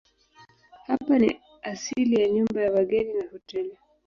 Hapa ni asili ya nyumba ya wageni na hoteli.